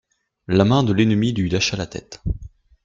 La main de l'ennemi lui lâcha la tête.